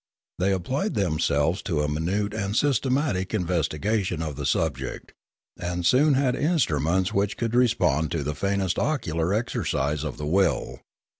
They applied themselves to a minute and systematic investigation of the subject, and soon had instruments which would respond to the faintest ocular exercise of the will.